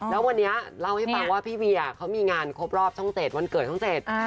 แล้ววันนี้เล่าให้ฟังว่าพี่เวียเขามีงานครบรอบช่อง๗วันเกิดช่องเจ็ด